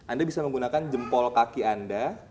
anda bisa menggunakan jempol kaki anda